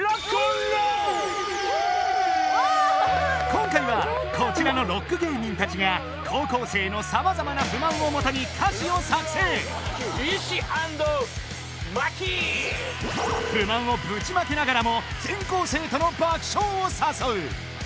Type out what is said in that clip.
今回はこちらのロック芸人たちが高校生の様々な不満をもとに歌詞を作成不満をぶちまけながらも全校生徒の爆笑を誘う